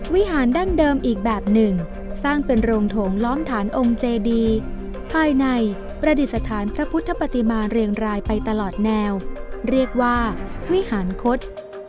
วิหารดั้งเดิมอีกแบบหนึ่งสร้างเป็นโรงโถงล้อมฐานองค์เจดีภายในประดิษฐานพระพุทธปฏิมาเรียงรายไปตลอดแนวเรียกว่าวิหารคต